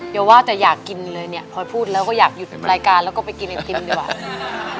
อย่าว่าแต่อยากกินเลยเนี่ยพลอยพูดแล้วก็อยากหยุดรายการแล้วก็ไปกินไอติมดีกว่า